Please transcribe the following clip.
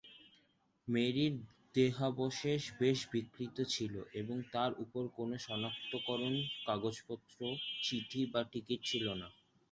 মেরির দেহাবশেষ বেশ বিকৃত ছিল এবং তার উপর কোন শনাক্তকরণ কাগজপত্র, চিঠি বা টিকিট ছিল না।